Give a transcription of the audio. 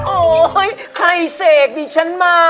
โอ๊ยใครเสกดิฉันมา